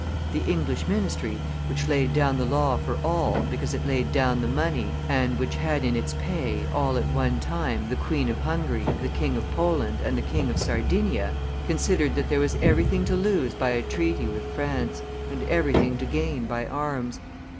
"The English ministry, which laid down the law for all, because it laid down the money, and which had in its pay, all at one time, the Queen of Hungary, the King of Poland, and the King of Sardinia, considered that there was everything to lose by a treaty with France, and everything to gain by arms.